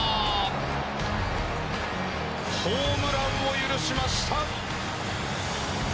ホームランを許しました。